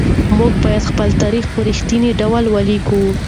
موږ بايد خپل تاريخ په رښتيني ډول ولېکو.